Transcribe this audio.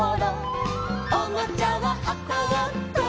「おもちゃははこをとびだして」